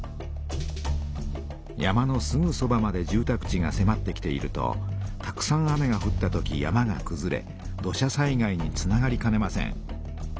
山のすぐそばまで住たく地がせまってきているとたくさん雨がふったとき山がくずれ土砂災害につながりかねません。